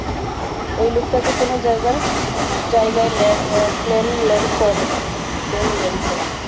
এই লোকটা যে কোনও জায়গায় প্ল্যান ল্যান্ড করাতে পারে!